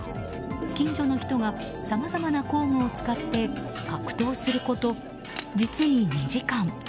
近所の人がさまざまな工具を使って格闘すること、実に２時間。